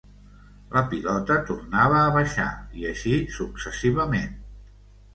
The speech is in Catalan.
La pilota tornava a baixar i així successivament.